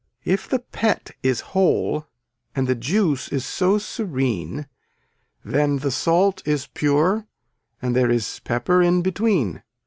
If the pet is whole and the juice is so serene then the salt is pure and there is pepper in between.